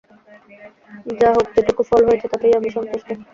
যা হোক, যেটুকু ফল হয়েছে, তাতেই আমি সন্তুষ্ট।